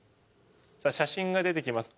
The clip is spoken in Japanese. さあ写真が出てきます。